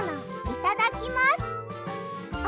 いただきます！